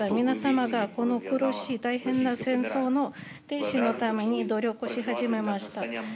皆様が、この苦しい大変な戦争の停止のために努力し始めました。